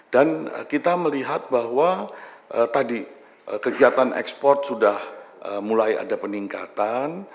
dan kita melihat bahwa tadi kegiatan ekspor sudah mulai ada peningkatan